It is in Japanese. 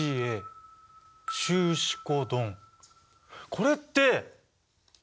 これって！